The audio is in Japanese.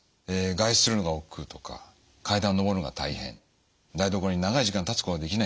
外出するのがおっくうとか階段を上るのが大変台所に長い時間立つことができないなど。